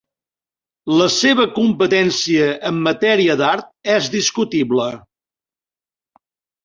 La seva competència en matèria d'art és discutible.